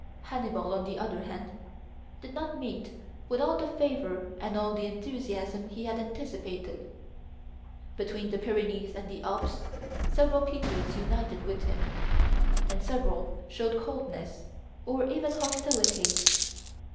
Hannibal, on the other hand, did not meet with all the favor and all the enthusiasm he had anticipated. Between the Pyrenees and the Alps several peoplets united with him; and several showed coldness, or even hostility.